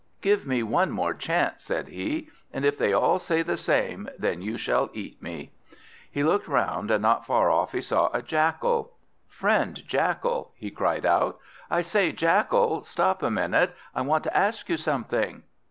"Give me one more chance," said he, "and if they all say the same, then you shall eat me." He looked round, and not far off he saw a Jackal. "Friend Jackal," he called out; "I say, Jackal! Stop a minute, I want to ask you something."